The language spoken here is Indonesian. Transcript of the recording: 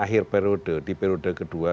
akhir periode di periode kedua